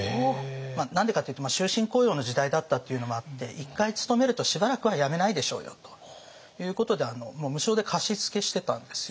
何でかっていうと終身雇用の時代だったっていうのもあって一回勤めるとしばらくは辞めないでしょうよということで無償で貸し付けしてたんですよ。